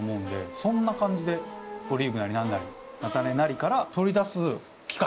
そんな感じでオリーブなり何なり菜種なりから取り出す機械。